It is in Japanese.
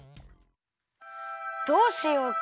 どうしようか？